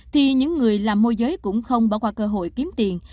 thì những người làm môi giới cũng không bỏ qua cơ hội kiếm tiền